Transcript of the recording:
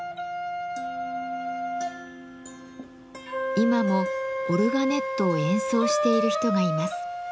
今もオルガネットを演奏している人がいます。